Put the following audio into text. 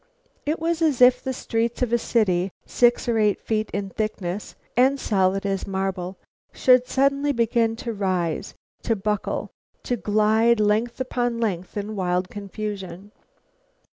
It was as if the streets of a city, six or eight feet in thickness and solid as marble, should suddenly begin to rise, to buckle, to glide length upon length in wild confusion.